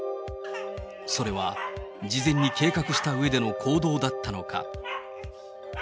それは事前に計画したうえでの行動だったのか。